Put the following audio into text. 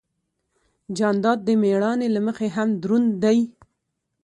جانداد د مېړانې له مخې هم دروند دی.